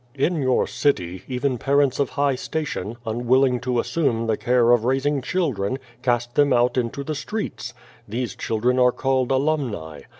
In your city, even parents of high station, unwilling io assume the care of raising children, cast them out into the streets. These child ren are called alumni.